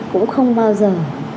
cũng không bao giờ